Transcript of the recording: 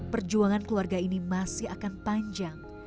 perjuangan keluarga ini masih akan panjang